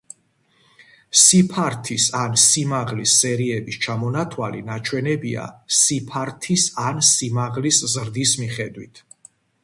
სიფართის ან სიმაღლის სერიების ჩამონათვალი ნაჩვენებია სიფართის ან სიმაღლის ზრდის მიხედვით.